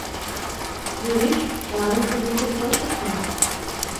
— Юриш, тыланет тудо ӱдыр келшыш мо?